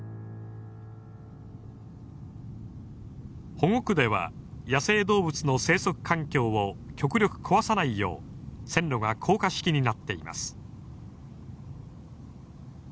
保護区では野生動物の生息環境を極力壊さないよう線路が高架式になっています。